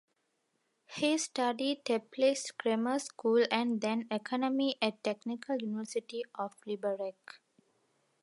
He studied Teplice Grammar School and then Economy at Technical University of Liberec.